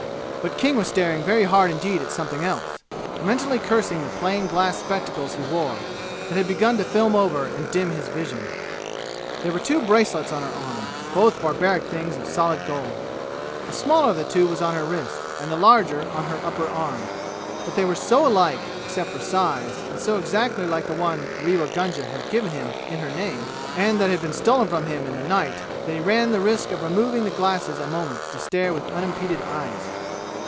But King was staring very hard indeed at something else mentally cursing the plain glass spectacles he wore, that had begun to film over and dim his vision. There were two bracelets on her arm, both barbaric things of solid gold. The smaller of the two was on her wrist and the larger on her upper arm, but they were so alike, except for size, and so exactly like the one Rewa Gunga had given him in her name and that had been stolen from him in the night, that he ran the risk of removing the glasses a moment to stare with unimpeded eyes.